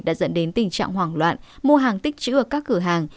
đã dẫn đến tình trạng hoảng loạn mua hàng tích chữ ở các cửa hàng